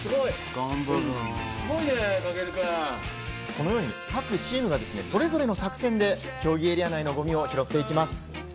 このように各チームがそれぞれの作戦で競技エリア内のゴミを拾っていきます。